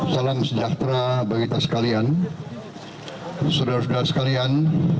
salam sejahtera bagi kita sekalian saudara saudara sekalian